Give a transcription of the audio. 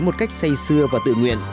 một cách say xưa và tự nguyện